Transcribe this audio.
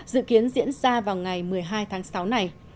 dự kiến diễn ra vào ngày một mươi hai tháng sáu này